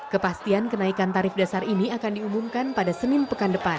kepastian kenaikan tarif dasar ini akan diumumkan pada senin pekan depan